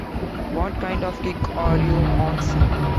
What kind of kick are you on, son?